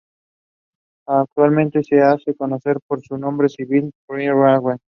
Actualmente se hace conocer por su nombre civil, Prem Rawat.